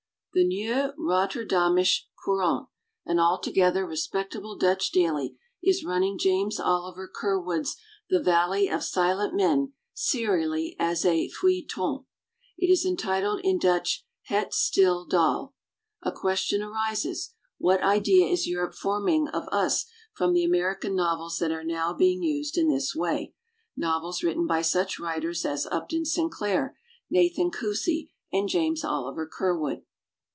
The "Nieuwe Rotterdamsche Cou rant", an altogether respectable Dutch daily, is running James Oliver Cur wood's "The Valley of Silent Men" serially as a feuiUeton. It is entitled in Dutch "Het Stille Dal". A question arises: what idea is Europe forming of us from the American novels that are now being used in this way, novels written by such writers as Upton Sin clair, Nathan Kussy, and James Oliver Curwood?